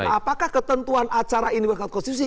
apakah ketentuan acara ini berkat konstitusi